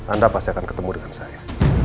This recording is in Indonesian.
anda pasti akan ketemu dengan saya